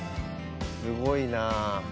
すごいなぁ。